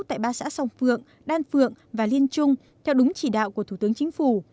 tại ba xã song phượng đan phượng và liên trung theo đúng chỉ đạo của thủ tướng chính phủ